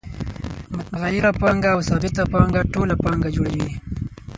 متغیره پانګه او ثابته پانګه ټوله پانګه جوړوي